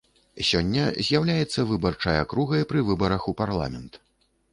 Сёння з'яўляецца выбарчай акругай пры выбарах у парламент.